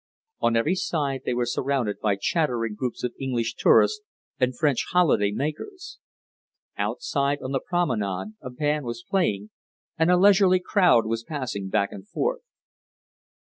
On every side they were surrounded by chattering groups of English tourists and French holiday makers. Outside on the promenade a band was playing, and a leisurely crowd was passing back and forth.